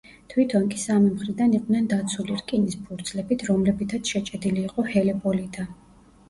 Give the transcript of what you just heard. თვითონ კი სამი მხრიდან იყვნენ დაცული, რკინის ფურცლებით, რომლებითაც შეჭედილი იყო ჰელეპოლიდა.